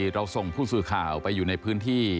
เราส่งผู้สื่อข่าวไปอยู่ในพื้นที่